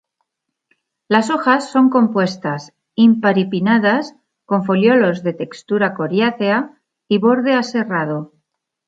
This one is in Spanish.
Las hojas son compuestas imparipinnadas con foliolos de textura coriácea y borde aserrado.